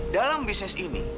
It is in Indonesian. dalam bisnis ini